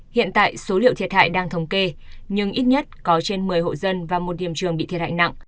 hiện tại số liệu thiệt hại đang thống kê nhưng ít nhất có trên một mươi hộ dân và một điểm trường bị thiệt hại nặng